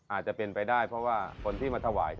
อาจจะเป็นไปได้เพราะว่าคนที่มาถวาย